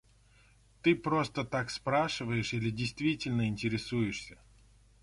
Ты просто так спрашиваешь или действительно интересуешься?